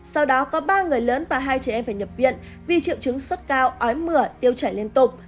sau đó có ba người lớn và hai trẻ em phải nhập viện vì triệu chứng sốt cao ói mửa tiêu chảy liên tục